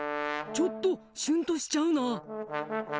ちょっとシュンとしちゃうなあ。